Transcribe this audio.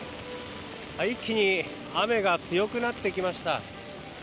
一気に雨が強くなってきました。